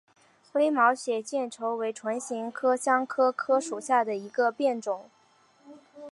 微毛血见愁为唇形科香科科属下的一个变种。